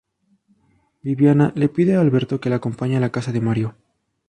Viviana le pide a Alberto que la acompañe a la casa de Mario.